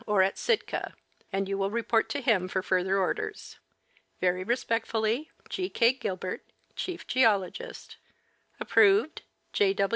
or at Sitka ; and you Avill report to him for further orders. Very respectfully, . G. K. Gilbert, Chief Geologist. Approved, J.